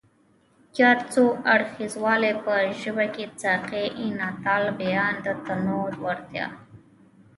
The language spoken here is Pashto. ياد څو اړخیزوالی په ژبه کې سیاقي انعطاف، د بیان د تنوع وړتیا،